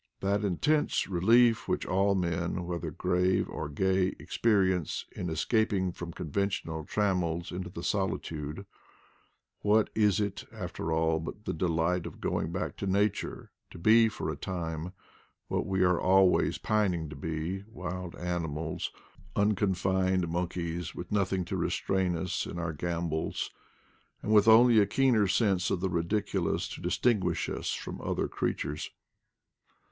That intense relief which all men, whether grave or gay, experience in es caping from conventional trammels into the soli tude, what is it, after all, but the delight of going back to nature, to be for a time, what we are al ways pining to be, wild animals, unconfined mon IDLE DAYS 139 keys, with nothing to restrain ns in onr gambols, and with only a keener sense of the ridiculous to distinguish us from other creatures?